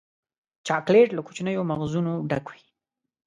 چاکلېټ له کوچنیو مغزونو ډک وي.